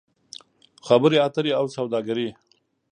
خبرې اترې او سوداګري